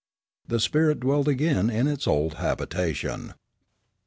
The spirit dwelt again in its old habitation.